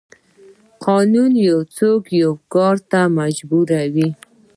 قانون یو څوک یو کار ته مجبوروي.